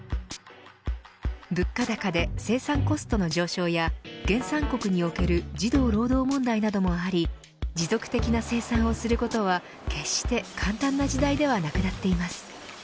物価高で生産コストの上昇や原産国における児童労働問題などもあり持続的な生産をすることは決して簡単な時代ではなくなっています。